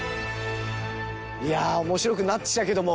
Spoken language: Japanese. いやあ面白くなってきたけども。